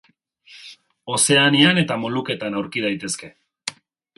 Ozeanian eta Moluketan aurki daitezke.